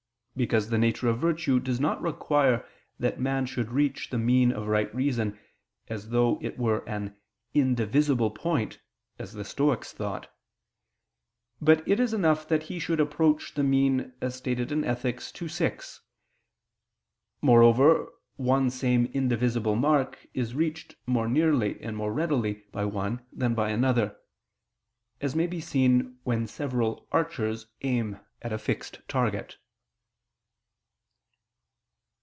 Because the nature of virtue does not require that man should reach the mean of right reason as though it were an indivisible point, as the Stoics thought; but it is enough that he should approach the mean, as stated in Ethic. ii, 6. Moreover, one same indivisible mark is reached more nearly and more readily by one than by another: as may be seen when several archers aim at a fixed target.